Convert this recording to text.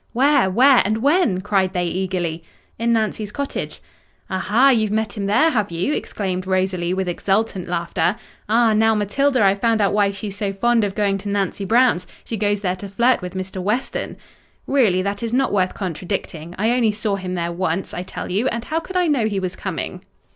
"Where? where? and when?" cried they eagerly. "In Nancy's cottage." "Ah ha! you've met him there, have you?" exclaimed Rosalie, with exultant laughter. "Ah! now, Matilda, I've found out why she's so fond of going to Nancy Brown's! She goes there to flirt with Mr. Weston." "Really, that is not worth contradicting—I only saw him there once, I tell you—and how could I know he was coming?"